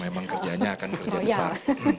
memang kerjanya akan kerja besar